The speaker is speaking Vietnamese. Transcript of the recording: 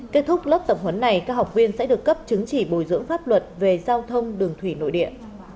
kết thúc lớp tập huấn này các học viên sẽ được cấp chứng chỉ bồi dưỡng pháp luật về giao thông đường thủy nội địa